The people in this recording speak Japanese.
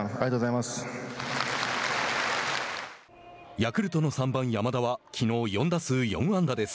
ヤクルトの３番山田はきのう４打数４安打です。